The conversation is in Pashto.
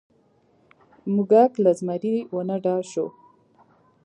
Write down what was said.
موږک له زمري ونه ډار شو.